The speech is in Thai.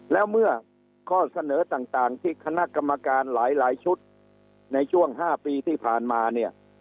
แล้วเมื่อข้อเสนอต่างที่คณะกรรมการหลายชุดในช่วง๕ปีที่ผ่านมาเนี่ย